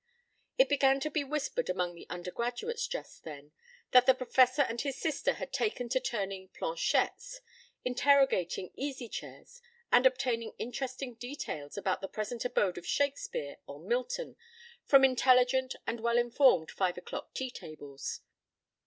It began to be whispered among the undergraduates just then that the Professor and his sister had taken to turning planchettes, interrogating easy chairs, and obtaining interesting details about the present abode of Shakespeare or Milton fromintelligent and well informed five o'clock tea tables.